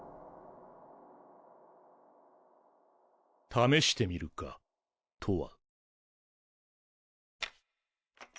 試してみるかとわ。